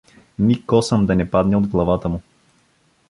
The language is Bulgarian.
Ни косъм да не падне от главата му.